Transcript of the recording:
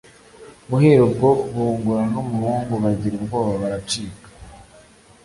guhera ubwo bungura n'umuhungu bagira ubwoba baracika